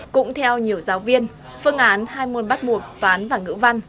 cũng theo nhiều giáo viên phương án hai môn bắt buộc toán và ngữ văn